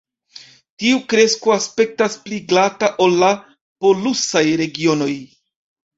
Tiu kresto aspektas pli glata ol la "polusaj" regionoj.